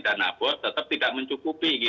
dana bos tetap tidak mencukupi